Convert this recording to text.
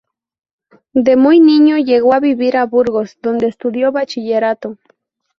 De muy niño llegó a vivir a Burgos, donde estudió bachillerato.